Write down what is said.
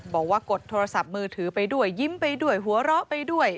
กดโทรศัพท์มือถือไปด้วยยิ้มไปด้วยหัวเราะไปด้วย